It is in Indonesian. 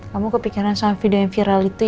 kamu kepikiran sama video yang viral itu ya